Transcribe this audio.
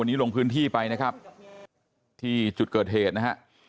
วันนี้ลงพื้นที่ไปนะครับที่จุดเกิดเหตุนะฮะ